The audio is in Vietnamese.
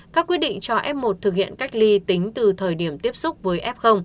các quyết định cho f một thực hiện cách ly tính từ thời điểm tiếp xúc với f